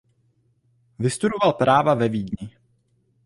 Vystudoval práva ve Vídni.